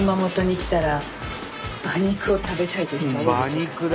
馬肉だ。